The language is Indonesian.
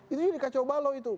itu di kacau balau itu